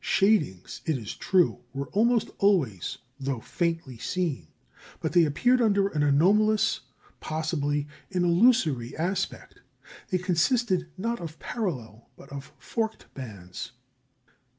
Shadings, it is true, were almost always, though faintly, seen; but they appeared under an anomalous, possibly an illusory aspect. They consisted, not of parallel, but of forked bands.